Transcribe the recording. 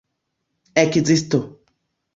ekzisto